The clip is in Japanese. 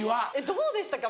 どうでしたか？